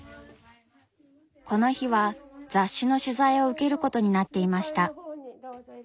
この日は雑誌の取材を受けることになっていました。